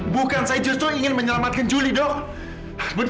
bukan saya justru ingin menyelamatkan juli dong